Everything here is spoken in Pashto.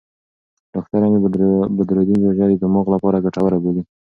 ډاکټره مي بدرالدین روژه د دماغ لپاره ګټوره بولي.